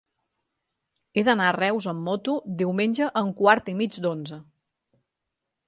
He d'anar a Reus amb moto diumenge a un quart i mig d'onze.